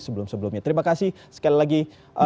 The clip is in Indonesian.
sebelum sebelumnya terima kasih sekali lagi